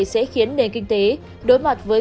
sẽ khiến nền kinh tế đối mặt với